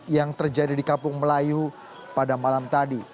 yang terjadi di kampung melayu pada malam tadi